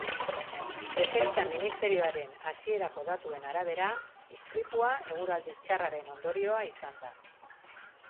Defentsa ministerioaren hasierako datuen arabera, istripua eguraldi txarraren ondorioa izan da.